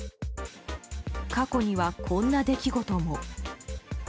過去には、こんな出来事も。